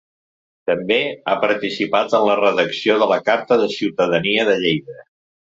També ha participat en la redacció de la Carta de Ciutadania de Lleida.